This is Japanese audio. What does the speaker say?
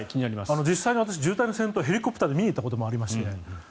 実際に私、渋滞の先頭をヘリコプターで見に行ったこともありまして。